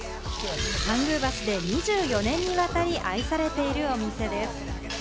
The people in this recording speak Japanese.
参宮橋で２４年にわたり愛されているお店です。